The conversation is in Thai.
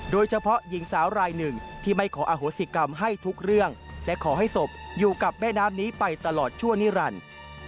โดยเฉพาะหญิงสาวรายหนึ่งที่ไม่ขออโหสิกรรมให้ทุกเรื่องและขอให้ศพอยู่กับแม่น้ำนี้ไปตลอดชั่วนิรันดิ์